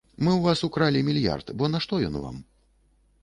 Мы ў вас укралі мільярд, бо нашто ён вам?